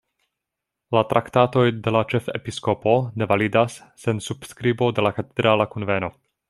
La traktatoj de la ĉefepiskopo ne validas sen subskribo de la katedrala kunveno.